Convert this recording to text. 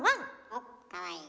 おっかわいい。